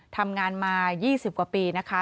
ทำงานมา๒๐กว่าปีนะคะ